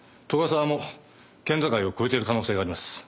沢も県境を越えている可能性があります。